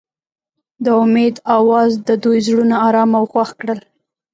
د امید اواز د دوی زړونه ارامه او خوښ کړل.